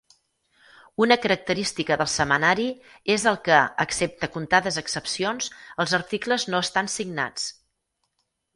Una característica del setmanari és el que, excepte contades excepcions, els articles no estan signats.